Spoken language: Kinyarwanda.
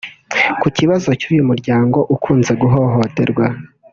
Ku kibazo cy’uyu muryango ukunze guhohoterwa